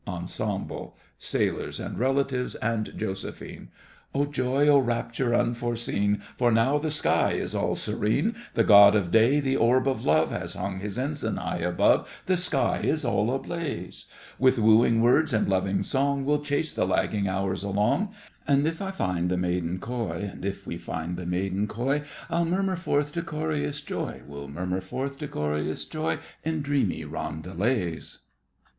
ENSEMBLE SAILORS and RELATIVES and JOSEPHINE Oh joy, oh rapture unforeseen, For now the sky is all serene; The god of day—the orb of love— Has hung his ensign high above, The sky is all ablaze. With wooing words and loving song, We'll chase the lagging hours along, And if {I find } the maiden coy, we find I'll } murmur forth decorous joy We'll In dreamy roundelays!